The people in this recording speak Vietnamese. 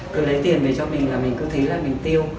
cứ lấy tiền về cho mình là mình cứ thí là mình tiêu